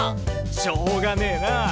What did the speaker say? しょうがねえな。